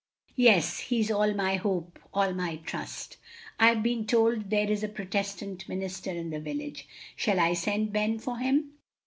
"Yes; He is all my hope, all my trust." "I have been told there is a Protestant minister in the village. Shall I send Ben for him?"